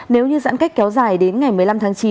nếu như giãn cách kéo dài đến ngày một mươi năm tháng chín